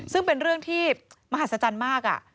ซึ่งเป็นเรื่องที่มหัศจรรย์มาก